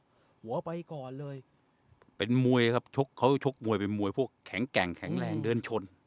หัวไปก่อนเลยเป็นมวยครับชกเขาชกมวยเป็นมวยพวกแข็งแกร่งแข็งแรงเดินชน